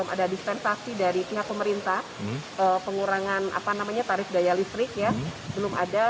ada dispensasi dari pihak pemerintah pengurangan tarif daya listrik ya belum ada